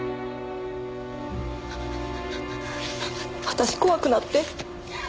私怖くなって。